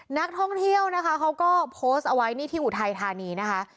นักท่องเที่ยวนะคะเขาก็โพสต์เอาไว้นี่ที่อุทัยธานีนะคะ